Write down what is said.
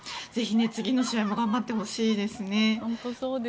ぜひ次の試合も頑張ってほしいですね。